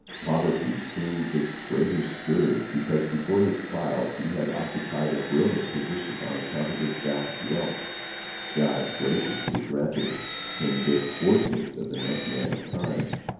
" Poverty seemed the greater scourge, because before his trials he had occupied a brilliant position on account of his vast wealth. God graciously granted him this foretaste of the Messianic time.